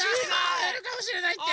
あえるかもしれないって。